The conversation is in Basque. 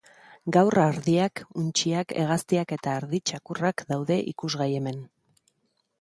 Gaur ardiak, untxiak, hegaztiak eta ardi-txakurrak daude ikusgai hemen.